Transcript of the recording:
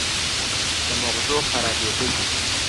د مغزو خرابېده دي